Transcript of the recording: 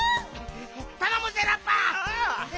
たのむぜラッパー！